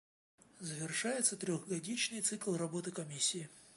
Завершается трехгодичный цикл работы Комиссии.